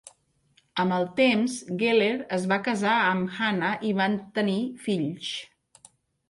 Amb el temps, Geller es va casar amb Hannah i van tenir fills.